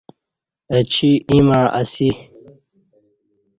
اچی ییں مع اسی۔